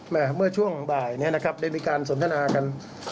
เมื่อช่วงบ่ายได้มีการสนทนากัน